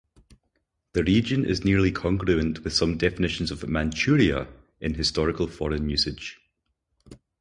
The region is nearly congruent with some definitions of "Manchuria" in historical foreign usage.